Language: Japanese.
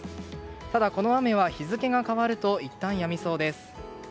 ただ、この雨は日付が変わるといったんやみそうです。